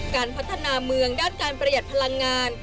การพัฒนาเมืองด้านการประหยัดพลังงาน